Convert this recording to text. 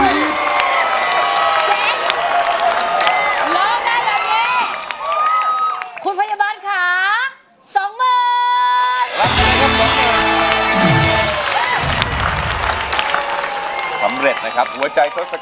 น้องปอนด์ร้องได้ให้ร้อง